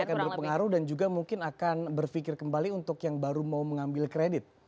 akan berpengaruh dan juga mungkin akan berpikir kembali untuk yang baru mau mengambil kredit